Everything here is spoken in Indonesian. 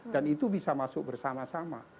dan itu bisa masuk bersama sama